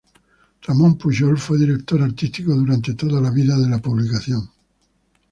Ramón Puyol fue director artístico durante toda la vida de la publicación.